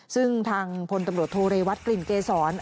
ซึ่งทางพลตำรวจโทเรวัตกลิ่นเกษร